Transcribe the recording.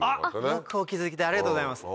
よくお気付きでありがとうございます。